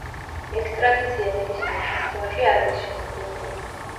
ექსტრადიცია ნებისმიერ შემთხვევაში არ არის შესაძლებელი.